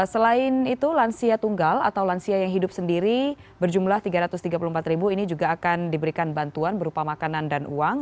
selain itu lansia tunggal atau lansia yang hidup sendiri berjumlah tiga ratus tiga puluh empat ribu ini juga akan diberikan bantuan berupa makanan dan uang